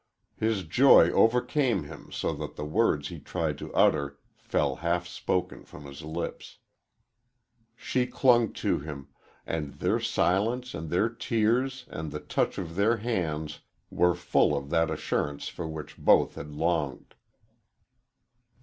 His joy overcame him so that the words he tried to utter fell half spoken from his lips. She clung to him, and their silence and their tears and the touch of their hands were full of that assurance for which both had longed.